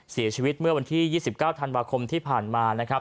เสียชีวิตเมื่อวันที่๒๙ธันวาคมที่ผ่านมานะครับ